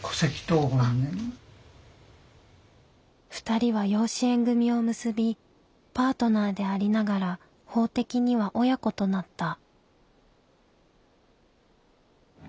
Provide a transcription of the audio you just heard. ２人は養子縁組を結びパートナーでありながら法的には親子となった。